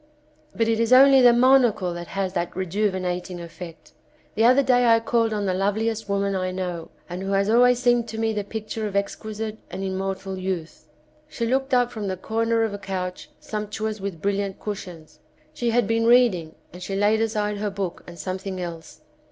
But it is only the monocle which has that rejuvinating effect. The other day I called on the loveliest woman I know, and who has always seemed to me the picture of exquisite and immortal youth. She looked up from the corner of a couch sumptuous with brilUant cushions. She had been reading, and she laid aside her book and something else.